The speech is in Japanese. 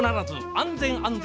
安全安全。